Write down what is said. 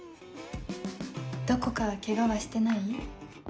どこかケガはしてない？